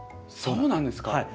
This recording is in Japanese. えっそうなんですか？